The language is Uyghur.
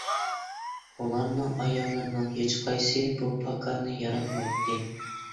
ئۇلارنىڭ ئاياللىرىنىڭ ھېچقايسى بۇ پاكارنى ياراتمايتتى.